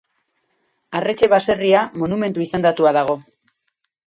Arretxe baserria monumentu izendatua dago.